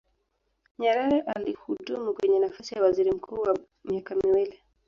nyerere alihudumu kwenye nafasi ya waziri mkuu kwa miaka miwili